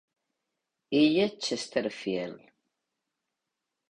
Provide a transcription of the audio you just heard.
Illes Chesterfield.